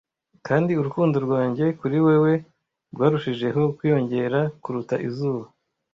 Kandi urukundo rwanjye kuri wewe rwarushijeho kwiyongera kuruta izuba.